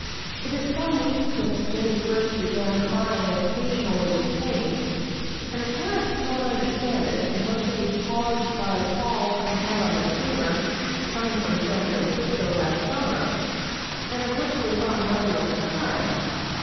It is some weeks since Jennie first began crying occasionally with pain, and her parents cannot understand it, unless it is caused by a fall she had on the steamer coming from San Francisco last summer, and of which they thought nothing at the time.